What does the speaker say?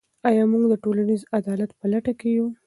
آیا موږ د ټولنیز عدالت په لټه کې یو؟